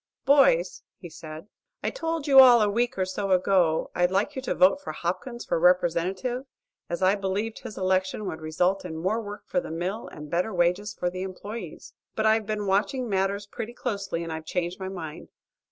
"Boys," he said, "I told you all, a week or so ago, I'd like you to vote for Hopkins for Representative, as I believed his election would result in more work for the mill and better wages for the employees. But I've been watching matters pretty closely, and I've changed my mind.